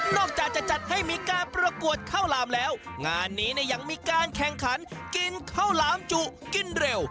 จากจะจัดให้มีการประกวดข้าวหลามแล้วงานนี้เนี่ยยังมีการแข่งขันกินข้าวหลามจุกินเร็ว